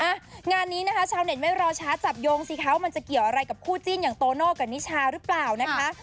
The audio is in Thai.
งานนี้นะคะชาวเน็ตไม่รอช้าจับโยงสิคะว่ามันจะเกี่ยวอะไรกับคู่จิ้นอย่างโตโน่กับนิชาหรือเปล่านะคะ